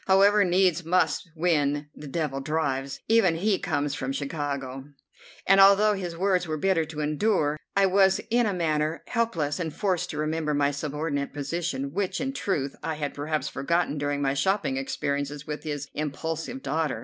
However, needs must when the devil drives, even if he comes from Chicago; and although his words were bitter to endure, I was in a manner helpless and forced to remember my subordinate position, which, in truth, I had perhaps forgotten during my shopping experiences with his impulsive daughter.